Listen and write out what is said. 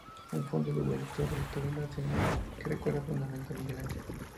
Un fondo nuboso cubre toda la escena, que recuerda profundamente a Miguel Ángel.